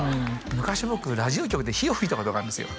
昔僕ラジオ局で火をふいたことがあるんですよ